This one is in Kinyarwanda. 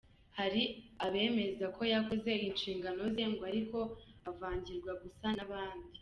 Hari abemeza ko yakoze inshingano ze, ngo ariko avangirwa gusa n’abandi.